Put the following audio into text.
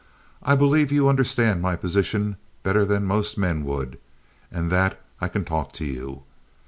I believe you understand my position better than most men would, and that I can talk to you.